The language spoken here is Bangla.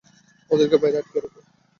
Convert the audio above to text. ওদেরকে বাইরে আটকিয়ে রাখো।